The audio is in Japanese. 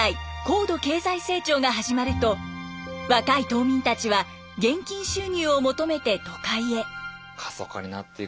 高度経済成長が始まると若い島民たちは現金収入を求めて都会へ。